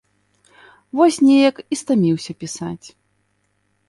Вось неяк і стаміўся пісаць.